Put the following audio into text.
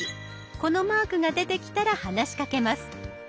このマークが出てきたら話しかけます。